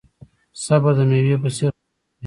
صبر د میوې په څیر خوږ دی.